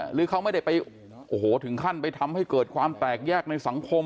หรือเขาไม่ได้ไปโอ้โหถึงขั้นไปทำให้เกิดความแตกแยกในสังคม